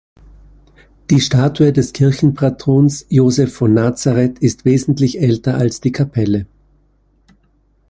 Die Statue des Kirchenpatrons Josef von Nazaret ist wesentlich älter als die Kapelle.